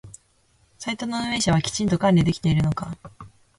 サイトの運営者はきちんと管理できているのか？